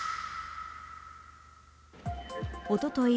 おととい